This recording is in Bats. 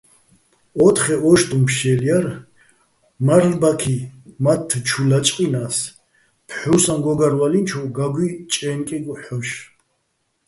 ო́თხე ო́შტუჼ ფშე́ლ ჲარ, მარლ'ბაქი მათთ ჩუ ლაჭყჲინა́ს, ფჴუსაჼ გო́გარვალინჩოვ გაგუჲ ჭაჲნკეგო̆ ჰ̦ოშ.